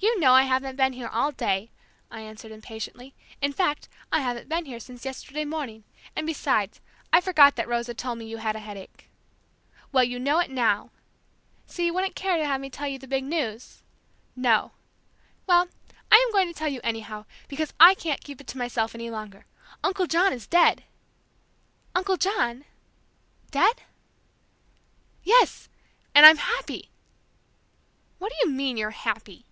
"You know I haven't been here all day!" I answered impatiently. "In fact, I haven't been here since yesterday morning, and besides, I forgot that Rosa told me that you had a headache." "Well, you know it now!" "So you wouldn't care to have me tell you the big news!" "No!" "Well, I am going to tell you anyhow, because I can't keep it to myself any longer! Uncle John is dead!" "Uncle John! Dead?" "Yes, and I'm happy!" "What do you mean, you're happy!"